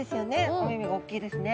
お目々が大きいですね。